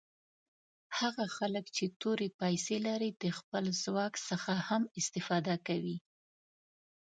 هغه کسان چې تورې پیسي لري د خپل ځواک څخه هم استفاده کوي.